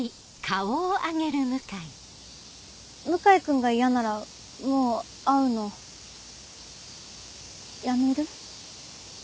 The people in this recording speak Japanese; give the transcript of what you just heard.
向井君が嫌ならもう会うのやめる？